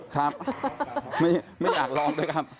ครับไม่อยากลองด้วยครับ